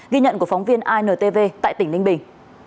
ghi nhận của phóng viên intv tại tỉnh ninh bình